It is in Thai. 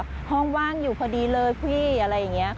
เราเข้าไปว่าห้องว่างอยู่พอดีเลยพี่อะไรอย่างนี้